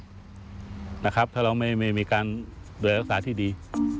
ถ้าเราไม่มีอย่างรักษาที่ดี